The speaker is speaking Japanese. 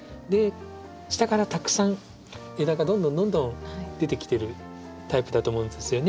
下からたくさん枝がどんどんどんどん出てきてるタイプだと思うんですよね。